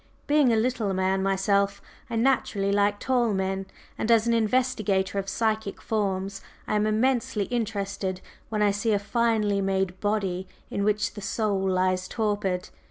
Being a little man myself, I naturally like tall men, and as an investigator of psychic forms I am immensely interested when I see a finely made body in which the soul lies torpid.